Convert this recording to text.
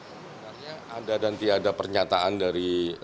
sebenarnya ada dan tidak ada pernyataan dari pengacara